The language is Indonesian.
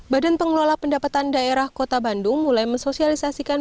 badan pengelola pendapatan daerah kota bandung mulai mensosialisasikan